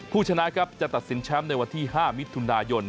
ผู้ชนะครับจะตัดสินแชมป์ในวันที่๕มิถุนายน